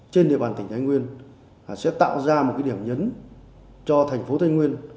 trên địa bàn tỉnh thái nguyên sẽ tạo ra một điểm nhấn cho thành phố thái nguyên